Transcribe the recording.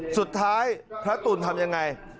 สุดท้ายพระตุ๋นทำยังไง